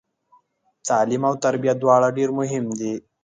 تعلیم او تربیه دواړه ډیر مهم دي